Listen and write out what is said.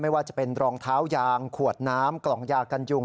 ว่าจะเป็นรองเท้ายางขวดน้ำกล่องยากันยุง